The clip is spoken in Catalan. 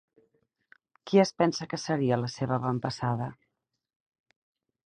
Qui es pensa que seria la seva avantpassada?